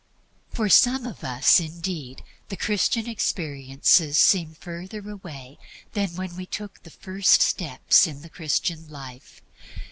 To some of us, indeed, the Christian experiences seem further away than when we took the first steps in the Christian life.